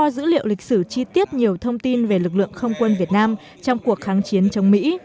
trung tướng nguyễn đức soát đã bắn hạ sáu máy bay mỹ và được chi tiết nhiều thông tin về lực lượng không quân việt nam trong cuộc kháng chiến chống mỹ